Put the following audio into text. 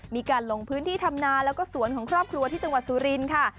มีการลงพื้นที่ทำนาแล้วก็สวนของครอบครัวที่จังหวัดสุรินทร์ค่ะ